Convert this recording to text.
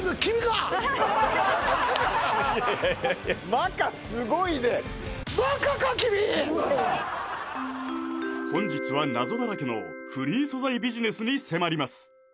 マカ凄いね本日は謎だらけのフリー素材ビジネスに迫ります